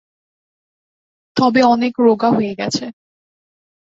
তবে অনেক রোগা হয়ে গেছে।